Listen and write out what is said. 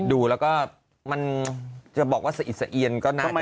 ดูแล้วก็มันจะบอกว่าสะอิดสะเอียนก็น่าจะ